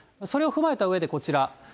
それを踏まえたうえでこちら。